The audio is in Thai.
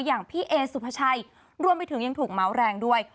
อย่างพี่เอสุภาชัยรวมไปถึงยังถูกเมาส์แรงด้วย